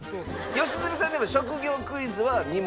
良純さんでも職業クイズは２問取ってますよ。